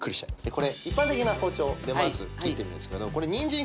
これ一般的な包丁でまず切ってみるんですけどニンジン